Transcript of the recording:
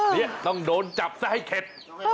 นี่ต้องโดนจับซะให้เข็ด